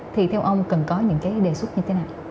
thì theo ông cần có những cái đề xuất như thế nào